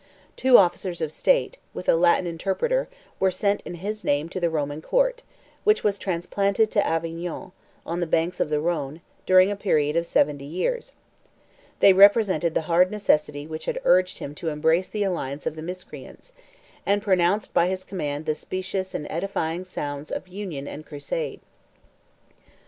Two officers of state, with a Latin interpreter, were sent in his name to the Roman court, which was transplanted to Avignon, on the banks of the Rhône, during a period of seventy years: they represented the hard necessity which had urged him to embrace the alliance of the miscreants, and pronounced by his command the specious and edifying sounds of union and crusade.